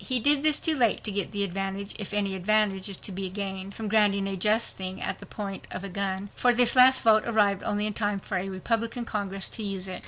He did this too late to get the advantage—if any advantage is to be gained from granting a just thing at the point of a gun—for this last vote arrived only in time for a Republican Congress to use it.